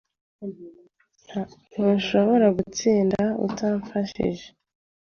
Ntushobora gutsinda utamfashije